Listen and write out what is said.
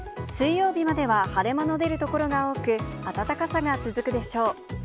水曜日までは晴れ間の出る所が多く、暖かさが続くでしょう。